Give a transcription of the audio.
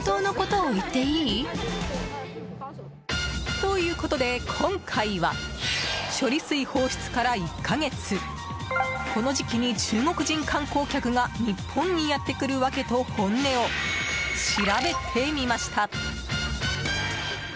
ということで今回は処理水放出から１か月この時期に中国人観光客が日本にやってくる訳と本音を調べてみました。